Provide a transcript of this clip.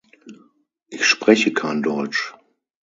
Ich spreche kein deutsch.